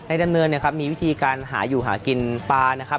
ในดำเนินมีวิธีการหาอยู่หากินปลานะครับ